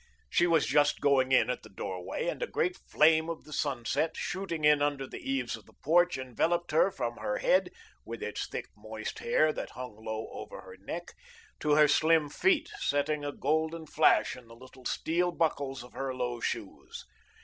She was just going in at the doorway, and a great flame of the sunset, shooting in under the eaves of the porch, enveloped her from her head, with its thick, moist hair that hung low over her neck, to her slim feet, setting a golden flash in the little steel buckles of her low shoes.